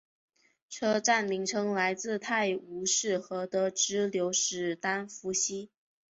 车站名称来自于泰晤士河的支流史丹佛溪。